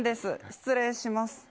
失礼します。